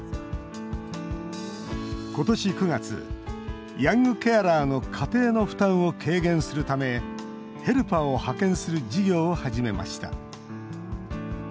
今年９月、ヤングケアラーの家庭の負担を軽減するためヘルパーを派遣する事業を始めました。